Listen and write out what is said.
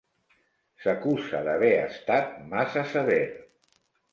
S'acusa d'haver estat massa sever.